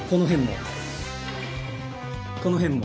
この辺も。